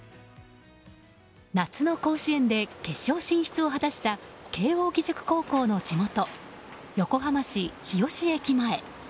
夏の甲子園で決勝進出を果たした慶應義塾高校の地元横浜市日吉駅前。